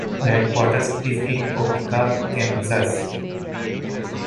The headquarters is in Topeka, Kansas.